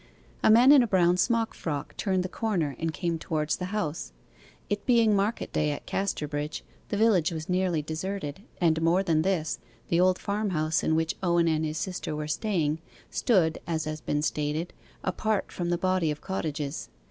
A man in a brown smock frock turned the corner and came towards the house. It being market day at Casterbridge, the village was nearly deserted, and more than this, the old farm house in which Owen and his sister were staying, stood, as has been stated, apart from the body of cottages.